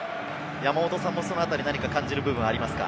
山本さんも、そのあたり感じる部分はありますか？